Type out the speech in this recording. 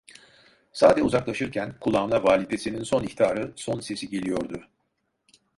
Sade uzaklaşırken, kulağına validesinin son ihtarı, son sesi geliyordu: